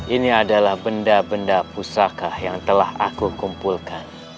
ini adalah benda benda pusaka yang telah aku kumpulkan